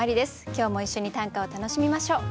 今日も一緒に短歌を楽しみましょう。